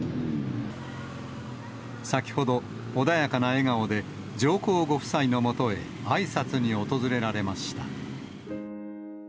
先ほど、穏やかな笑顔で、上皇ご夫妻のもとへあいさつに訪れられました。